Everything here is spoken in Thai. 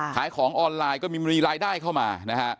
ขายของออนไลน์ก็มีรายได้เข้ามานะฮะ